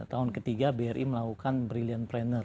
tahun ketiga bri melakukan brilliant pranner